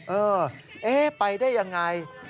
เออไปได้ยังไง